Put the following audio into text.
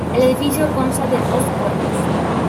El edificio consta de dos cuerpos.